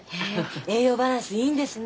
栄養バランスいいんですね。